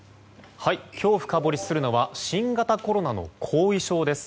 今日、深掘りするのは新型コロナの後遺症です。